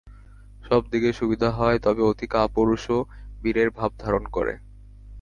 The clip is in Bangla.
যদি সব দিকে সুবিধা হয়, তবে অতি কাপুরুষও বীরের ভাব ধারণ করে।